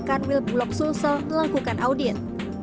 kantor wilayah bulog sulsel melakukan audien